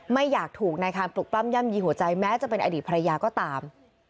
ไม่อยากถูกนายคามปลุกปล้ำย่ำยีหัวใจแม้จะเป็นอดีตภรรยาก็ตาม